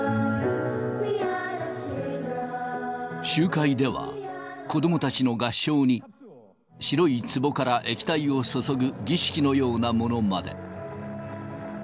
集会では、子どもたちの合唱に白いつぼから液体を注ぐ儀式のようなものまで。